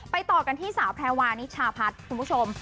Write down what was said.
ต่อกันที่สาวแพรวานิชาพัฒน์คุณผู้ชม